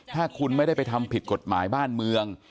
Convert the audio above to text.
ถ้าคุณไม่ได้ไปทำผิดกฎหมายบ้านเมือง